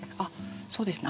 そうですね